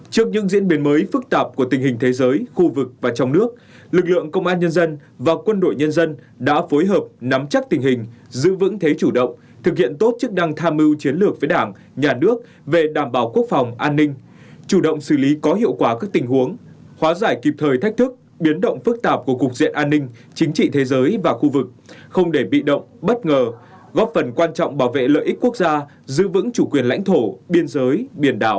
trước những diễn biến mới phức tạp của tình hình thế giới khu vực và trong nước lực lượng công an nhân dân và quân đội nhân dân đã phối hợp nắm chắc tình hình giữ vững thế chủ động thực hiện tốt chức đăng tham mưu chiến lược với đảng nhà nước về đảm bảo quốc phòng an ninh chủ động xử lý có hiệu quả các tình huống hóa giải kịp thời thách thức biến động phức tạp của cục diện an ninh chính trị thế giới và khu vực không để bị động bất ngờ góp phần quan trọng bảo vệ lợi ích quốc gia giữ vững chủ quyền lãnh thổ biên giới